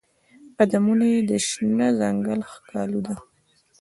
قدمونه یې د شنه ځنګل ښکالو ده